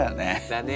だね。